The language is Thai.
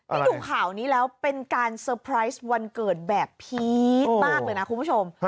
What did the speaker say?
นี่ดูข่าวนี้แล้วเป็นการเตอร์ไพรส์วันเกิดแบบพีชมากเลยนะคุณผู้ชม